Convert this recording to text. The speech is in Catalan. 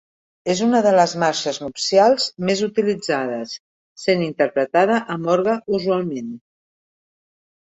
És una de les marxes nupcials més utilitzades, sent interpretada amb orgue usualment.